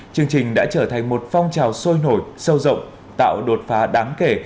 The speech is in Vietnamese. chương trình đã trở thành một phong trào sôi nổi sâu rộng tạo đột phá đáng kể